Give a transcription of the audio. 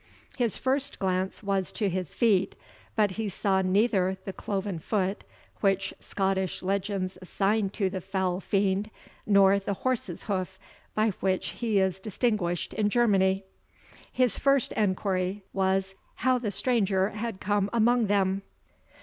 His first glance was to his feet, but he saw neither the cloven foot which Scottish legends assign to the foul fiend, nor the horse's hoof by which he is distinguished in Germany. His first enquiry was, how the stranger had come among them?